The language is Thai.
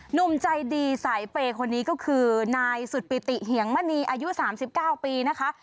หนุ่มใจดีสายเปย์คนนี้ก็คือนายสุดปิติเหียงมณีอายุ๓๙ปีนะคะ